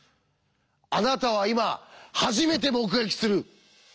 あなたは今初めて目撃する！